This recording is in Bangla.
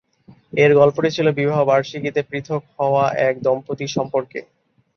এর গল্পটি ছিল বিবাহ বার্ষিকীতে পৃথক হওয়া এক দম্পতি সম্পর্কে।